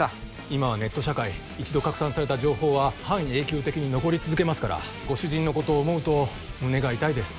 今はネット社会一度拡散された情報は半永久的に残り続けますからご主人のことを思うと胸が痛いです